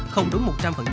không đúng một trăm linh